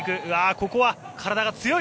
ここは体が強い。